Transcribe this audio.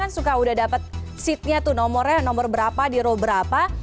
kadang kadang kan suka udah dapat seatnya tuh nomornya nomor berapa di row berapa